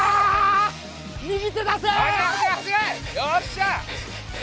よっしゃ！